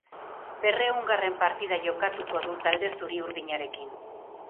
Berrehungarren partida jokatuko du talde zuri-urdinarekin.